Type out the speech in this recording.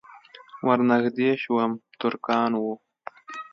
ور نږدې شوم ترکان وو.